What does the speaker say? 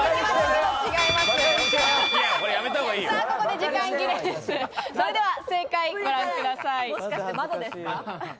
ここで時間切れです。